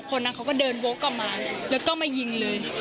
คนนั้นเขาก็เดินวกกลับมาแล้วก็มายิงเลย